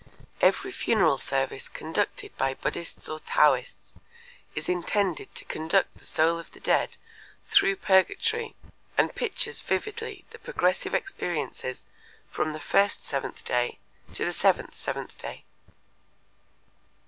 Every funeral service conducted by Buddhists or Taoists is intended to conduct the soul of the dead through purgatory and pictures vividly the progressive experiences from the first seventh day to the seventh seventh day.